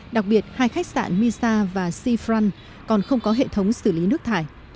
đặc biệt hai khách sạn misa và seafron còn không có hệ thống xử lý nước thải